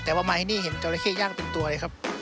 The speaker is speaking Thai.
แต่ว่ามาที่นี่เห็นจราเข้ย่างเต็มตัวเลยครับ